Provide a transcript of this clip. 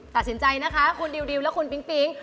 ตัดสินใจนะคะคุณดิวและคุณปิ๊ง